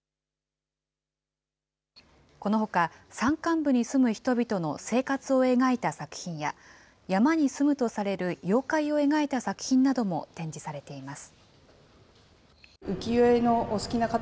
このほか、山間部に住む人々の生活を描いた作品や、山に住むとされる妖怪を描いた作品なども展示されています。